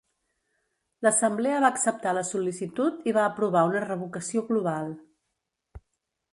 L'assemblea va acceptar la sol·licitud i va aprovar una revocació global.